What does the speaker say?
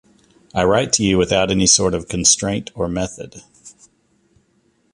I write to you without any sort of constraint or method.